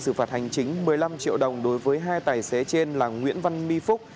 xử phạt hành chính một mươi năm triệu đồng đối với hai tài xế trên là nguyễn văn mi phúc